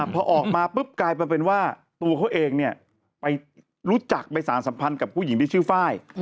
พอออกมาปุ๊บกลายเป็นว่าตัวเขาเองไปรู้จักไปสารสัมพันธ์กับผู้หญิงที่ชื่อไฟล์